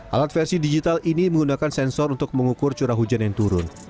alat versi digital ini menggunakan sensor untuk mengukur curah hujan yang turun